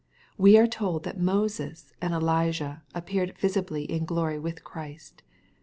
We are told that Moses and Elijah ap peared visibly in glory with Christ.